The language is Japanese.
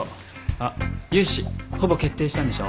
あっ融資ほぼ決定したんでしょ？